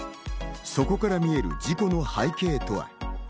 そこから見える事故の背景とは？